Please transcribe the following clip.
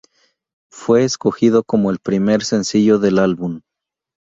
Fue escogido como el primer sencillo del álbum.